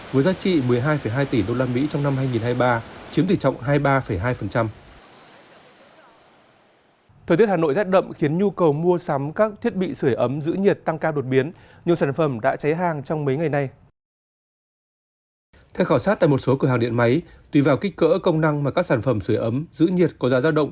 với giá trị một mươi hai hai tỷ usd trong năm hai nghìn hai mươi ba chiếm tỷ trọng hai mươi ba hai